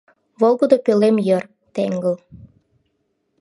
Волгыдо пӧлем йыр — теҥгыл